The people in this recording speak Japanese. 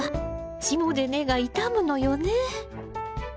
霜で根が傷むのよね。